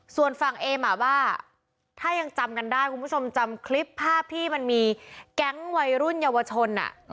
ส่วนฝั่งเอมว่าถ้ายังจำกันได้คุณผู้ชมจำคลิปภาพที่มันมีแก๊งวัยรุ่นเยาวชน